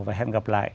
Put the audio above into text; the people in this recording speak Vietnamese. và hẹn gặp lại